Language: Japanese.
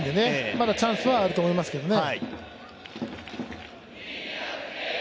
まだチャンスはあると思いますけどね。